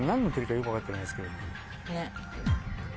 ねっ。